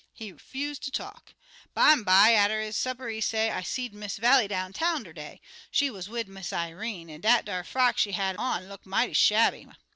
He 'fuse ter talk. Bimeby, atter he had his supper, he say, 'I seed Miss Vallie downtown ter day. She wuz wid Miss Irene, an' dat 'ar frock she had on look mighty shabby.'